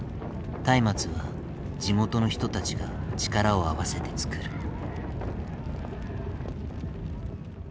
松明は地元の人たちが力を合わせて作る。